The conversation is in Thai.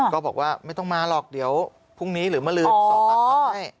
ก็บอกว่าไม่ต้องมาหรอกเดี๋ยวพรุ่งนี้หรือมาลืมสอบปากคำให้